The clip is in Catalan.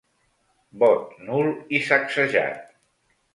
Vot nul i sacsejat.